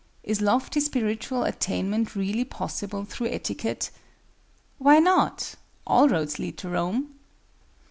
Is lofty spiritual attainment really possible through etiquette? Why not?—All roads lead to Rome!